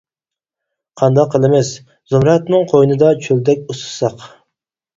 قانداق قىلىمىز؟ زۇمرەتنىڭ قوينىدا چۆلدەك ئۇسسىساق.